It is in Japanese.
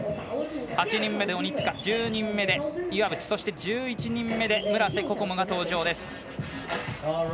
８人目で鬼塚、１０人目で岩渕そして１１人目で村瀬心椛が登場です。